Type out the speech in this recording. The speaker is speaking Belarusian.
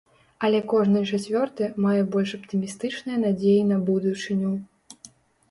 Але кожны чацвёрты мае больш аптымістычныя надзеі на будучыню.